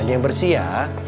banyak yang bersih ya